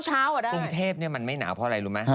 ก็เช้าอ่ะได้ไม่กรุงเทพมันไม่หนาวเพราะอะไรรู้ไหม